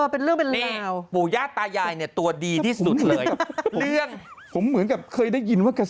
เป็นเรื่องเป็นราว